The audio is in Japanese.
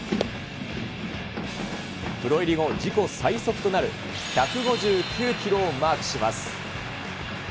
プロ入り後、自己最速となる１５９キロをマークします。